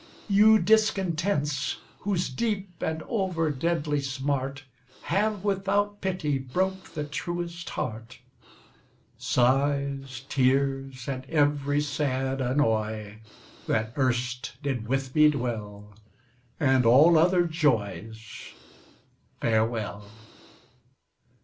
You discontents, whose deep and over deadly smart Have, without pity, broke the truest heart. Sighs, tears, and every sad annoy, That erst did with me dwell, And all other joys, Farewell!